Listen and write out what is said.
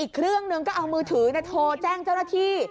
เครื่องนึงก็เอามือถือโทรแจ้งเจ้าหน้าที่